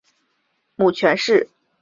母权氏。